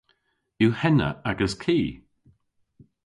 Yw henna agas ki?